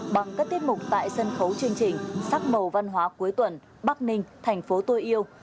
bằng các tiết mục tại sân khấu chương trình sắc màu văn hóa cuối tuần bắc ninh thành phố tôi yêu